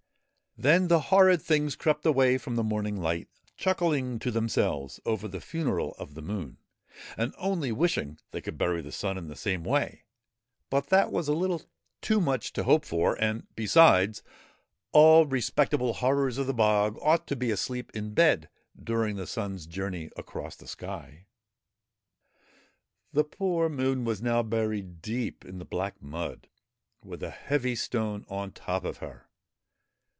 Then the horrid things crept away from the morning light, chuckling to themselves over the funeral of the Moon, and only wishing they could bury the Sun in the same way; but that was a little too much to hope for, and besides, all respectable Horrors of the Bog ought to be asleep in bed during the Sun's journey across the sky. The poor Moon was now buried deep in the black mud, with a heavy stone on top of her.